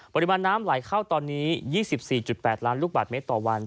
ปริมาณน้ำไหลเข้าตอนนี้๒๔๘ล้านลูกบาทเมตรต่อวัน